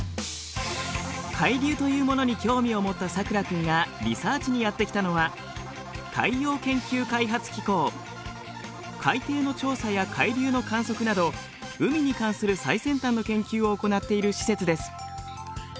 海流というものに興味を持ったさくら君がリサーチにやって来たのは海底の調査や海流の観測など海に関する最先端の研究を行っている施設です。